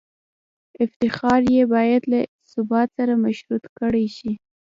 افتخار یې باید له ثبات سره مشروط کړای شي.